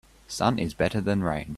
Sun is better than rain.